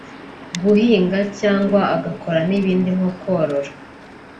guhinga cyangwa agakora n’ibindi nko korora